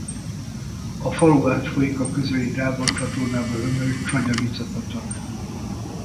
A falu átfolyik a közeli Dráva-csatornába ömlő Csagyavica-patak.